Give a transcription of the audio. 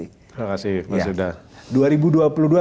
terima kasih mas yuda